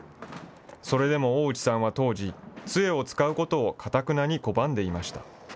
それでも大内さんは当時、つえを使うことをかたくなに拒んでいました。